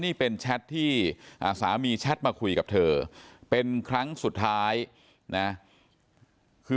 นี่เป็นแชทที่สามีแชทมาคุยกับเธอเป็นครั้งสุดท้ายนะคือ